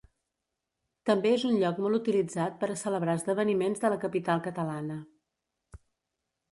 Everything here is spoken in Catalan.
També és un lloc molt utilitzat per a celebrar esdeveniments de la capital catalana.